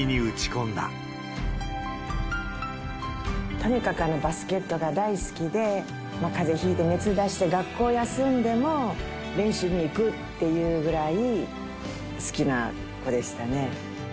とにかくバスケットが大好きで、かぜひいて熱出して学校休んでも、練習に行くっていうぐらい好きな子でしたね。